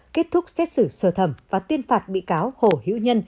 kết thúc xét xử sơ thẩm và tuyên phạt bị cáo hồ hiễu nhân